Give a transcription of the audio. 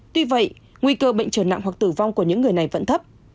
tuy vậy nguy cơ bệnh trở nặng hoặc tử vong của những người này vẫn thấp